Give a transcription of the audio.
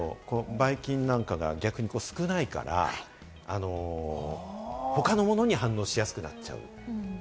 ばい菌なんかが少ないから、他のものに反応しやすくなっちゃう。